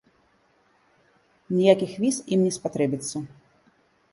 Ніякіх віз ім не спатрэбіцца.